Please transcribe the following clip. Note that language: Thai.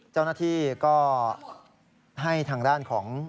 เจ้าหน้าที่ก็ให้ทางด้านของ